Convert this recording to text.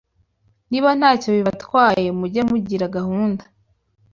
Niba ntacyo bibatwaye muge mugira gahunda